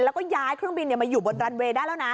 แล้วก็ย้ายเครื่องบินมาอยู่บนรันเวย์ได้แล้วนะ